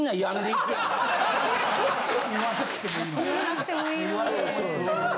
言わなくてもいいのに。